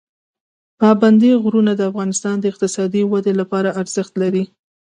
پابندی غرونه د افغانستان د اقتصادي ودې لپاره ارزښت لري.